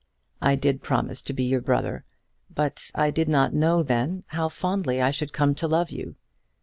I did promise to be your brother, but I did not know then how fondly I should come to love you.